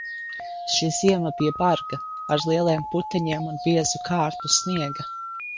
Šī ziema bija barga, ar lieliem puteņiem un biezu kārtu sniega.